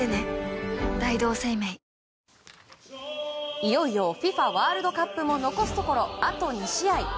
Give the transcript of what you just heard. いよいよＦＩＦＡワールドカップも残すところ、あと２試合。